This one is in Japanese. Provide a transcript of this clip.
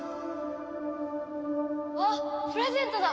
あっプレゼントだ！